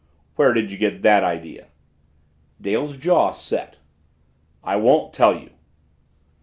"Where did you get that idea?" Dale's jaw set. "I won't tell you."